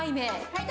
はい。